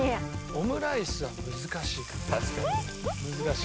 オムライスは本当に難しい。